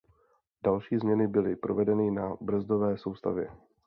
Další změny byly provedeny na brzdové soustavě.